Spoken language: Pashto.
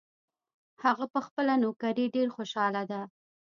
هغه په خپله نوکري ډېر خوشحاله ده